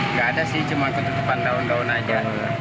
nggak ada sih cuma ketutupan daun daun aja